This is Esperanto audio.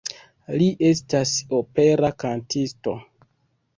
Li estas opera kantisto.